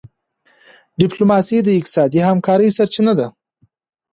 ډيپلوماسي د اقتصادي همکارۍ سرچینه ده.